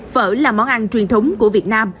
phở là món ăn truyền thống của việt nam